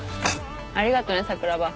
ありがとね桜庭。